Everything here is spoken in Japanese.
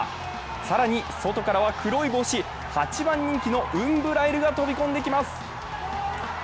更に外からは黒い帽子、８番人気のウンブライルが飛び込んできます。